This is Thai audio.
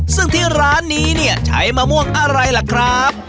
ซึ่งที่ร้านนี้เนี่ยใช้มะม่วงอะไรล่ะครับ